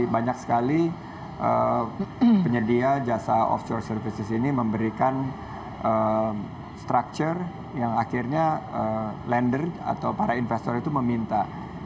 banyak sekali penyedia jasa offshore services ini memberikan structure yang akhirnya lender atau para investor itu meminta